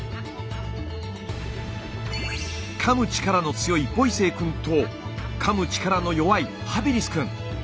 かむ力の強いボイセイくんとかむ力の弱いハビリスくん。